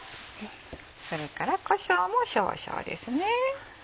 それからこしょうも少々ですね。